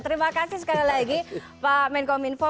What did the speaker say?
terima kasih sekali lagi pak menkom info